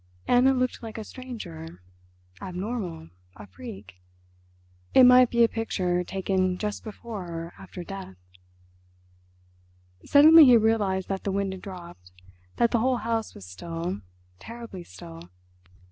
Anna looked like a stranger—abnormal, a freak—it might be a picture taken just before or after death. Suddenly he realised that the wind had dropped, that the whole house was still, terribly still.